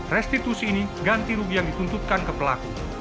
restitusi ini ganti rugi yang dituntutkan ke pelaku